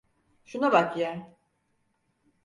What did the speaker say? Şuna bak ya.